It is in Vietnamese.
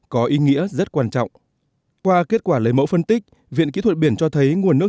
có ý nghĩa rất quan trọng qua kết quả lấy mẫu phân tích viện kỹ thuật biển cho thấy nguồn nước